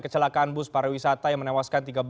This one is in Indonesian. kecelakaan bus pariwisata yang menewaskan tiga belas